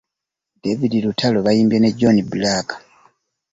David Lutalo bayimbye ne John Blaq